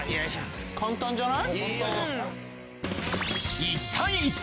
簡単じゃない？